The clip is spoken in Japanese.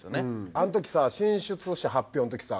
あの時さ進出者発表の時さ